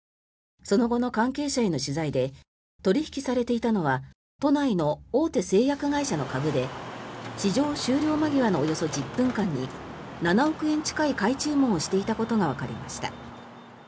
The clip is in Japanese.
その後の関係者への取材で取引されていたのは都内の大手製薬会社の株で市場終了間際のおよそ１０分間に７億円近い買い注文をしていたことがわかりました。